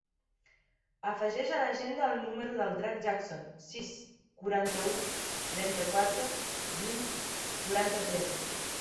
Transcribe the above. Afegeix a l'agenda el número del Drac Jackson: sis, quaranta-u, trenta-quatre, vint, quaranta-tres.